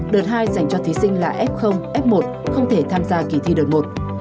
đợt hai dành cho thí sinh là f f một không thể tham gia kỳ thi đợt một